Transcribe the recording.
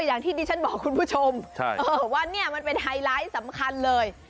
อย่างที่ดิฉันบอกคุณผู้ชมว่าเนี่ยมันเป็นไฮไลท์สำคัญเลย